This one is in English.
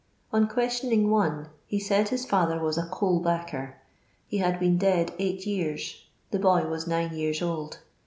On questioninff one, ho said his father was a coal backer ; he had been dead eight years ; the boy was nine years old.